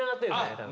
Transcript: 多分。